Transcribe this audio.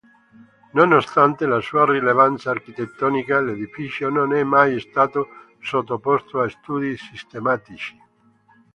Nonostante la sua rilevanza architettonica, l'edificio non è mai stato sottoposto a studi sistematici.